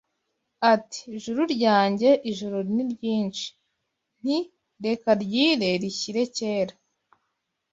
Ati “juru ryanjye ijoro ni ryinshi. Nti “reka ryire rishyire kera